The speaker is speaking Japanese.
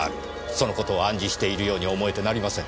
その事を暗示しているように思えてなりません。